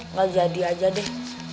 enggak jadi aja deh